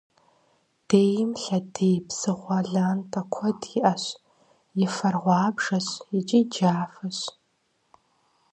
Дейм лъэдий псыгъуэ лантӏэ куэд иӏэщ, и фэр гъуабжэщ икӏи джафэщ.